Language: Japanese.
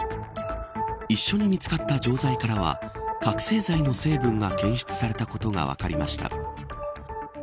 一緒に見つかった錠剤からは覚せい剤の成分が検出されたことが分かりました。